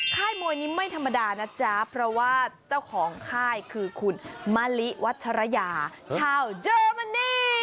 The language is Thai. ค่ายมวยนี้ไม่ธรรมดานะจ๊ะเพราะว่าเจ้าของค่ายคือคุณมะลิวัชรยาชาวเยอรมนี